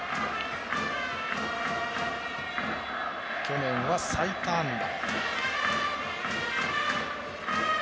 去年は最多安打。